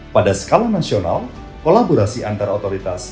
pada skala nasional kolaborasi antar otoritas